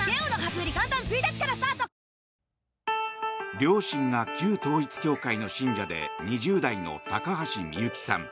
両親が旧統一教会の信者で２０代の高橋みゆきさん。